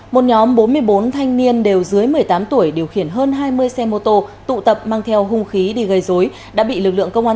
một nhóm bốn mươi bốn thanh niên đều dưới một mươi tám tuổi điều khiển hơn hai mươi xe mô tô tụ tập mang theo hung khí đi gây dối đã bị lực lượng công an